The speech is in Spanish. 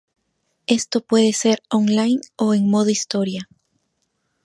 Esto puede ser online o en modo historia.